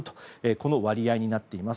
この割合になっています。